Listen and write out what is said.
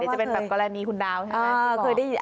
จะเป็นแบบกรณีคุณดาวใช่ไหม